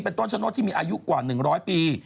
เป็นต้นชะโนธที่มีอายุกว่า๑๐๐ปี